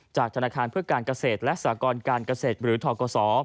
ธนาคารเพื่อการเกษตรและสากรการเกษตรหรือทกศ